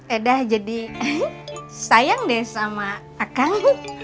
edah jadi sayang deh sama akang